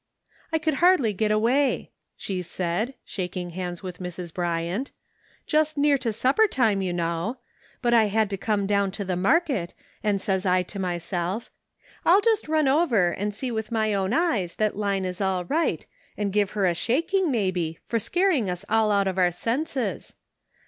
" I could hardly get away," she said, shaking hands with Mrs. Bryant, "just near to supper time, you know ; but I had to come down to the market, and says I to myself, ' I'll just run over and see with my own eyes that Line is all right, and give her a shaking, maybe, for scaring us all out of our senses.'